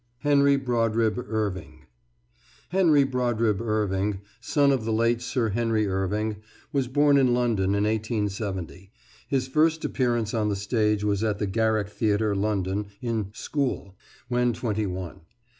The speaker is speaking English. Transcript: HENRY BRODRIBB IRVING [Henry Brodribb Irving, son of the late Sir Henry Irving, was born in London in 1870. His first appearance on the stage was at the Garrick Theatre, London, in "School," when twenty one.